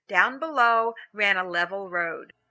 Down below ran a level road.